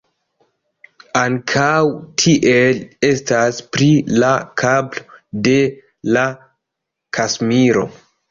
Ankaŭ tiel estas pri la kapro de la Kaŝmiro.